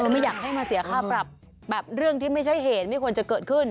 ไม่อยากให้มาเสียค่าปรับแบบเรื่องที่ไม่ใช่เหตุไม่ควรจะเกิดขึ้น